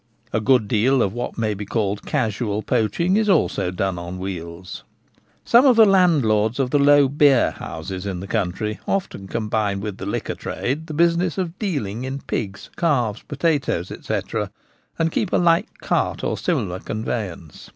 A good deal of what may be called casual poaching is also done on wheels. Some of the landlords of the low beer houses in the country often combine with the liquor trade the 1 60 The Gamekeeper at Home. business of dealing in pigs, calves, potatoes, &c, and keep a light cart, or similar conveyance.